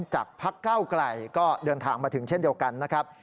พักเก้าไกลก็เดินทางมาถึงเช่นเดียวกันนะครับ